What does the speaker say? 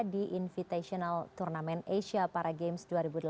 di invitational turnamen asia para games dua ribu delapan belas